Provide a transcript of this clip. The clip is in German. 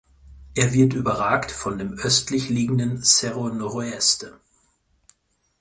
Er wird überragt von dem östlich liegenden Cerro Noroeste.